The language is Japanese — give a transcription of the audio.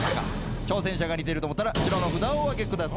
挑戦者が似てると思ったら白の札をお挙げください。